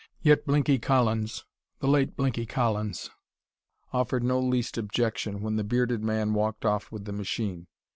Yet Blinky Collins the late Blinky Collins offered no least objection, when the bearded man walked off with the machine.